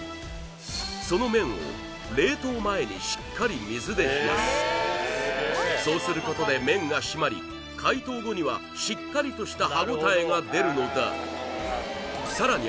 その麺をしっかりそうすることで麺が締まり解凍後にはしっかりとした歯応えが出るのださらに